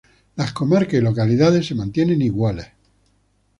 Las comarcas y localidades se mantienen iguales.